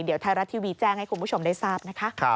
เดี๋ยวไทยรัฐทีวีแจ้งให้คุณผู้ชมได้ทราบนะคะ